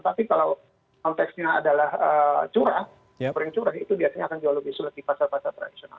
tapi kalau konteksnya adalah curah goreng curah itu biasanya akan jauh lebih sulit di pasar pasar tradisional